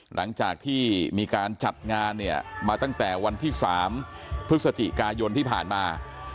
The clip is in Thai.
หลังจากที่มีการจัดงานเนี่ยมาตั้งแต่วันที่๓พฤศจิกายนที่ผ่านมา